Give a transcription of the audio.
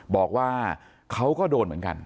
บอกว่าเขาก็โดนเหมือนกัน